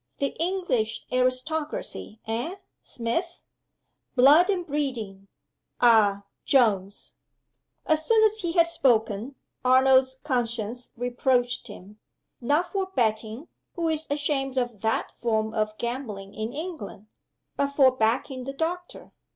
"The English aristocracy eh, Smith?" "Blood and breeding ah, Jones!" As soon as he had spoken, Arnold's conscience reproached him: not for betting (who is ashamed of that form of gambling in England?) but for "backing the doctor."